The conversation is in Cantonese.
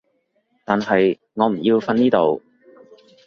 但係我唔要瞓呢度